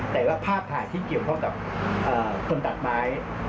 แต่ว่าภาพถ่ายที่เกี่ยวข้องกับคนตัดไม้